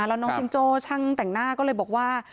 แล้วน้องจิงโจ้ช่างแต่งหน้าก็เลยบอกว่า